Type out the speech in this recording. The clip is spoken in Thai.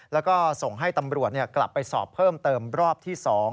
แล้วก็ส่งให้ตำรวจกลับไปสอบเพิ่มเติมรอบที่๒